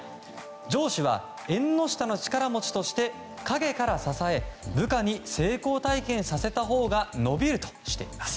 上司は縁の下の力持ちとして陰から支え部下に成功体験させたほうが伸びるとしています。